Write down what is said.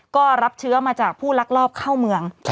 ก็รับเชื้อมาจากผู้ลักลอบเข้าเมือง